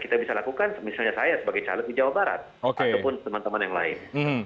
kita bisa lakukan misalnya saya sebagai caleg di jawa barat ataupun teman teman yang lain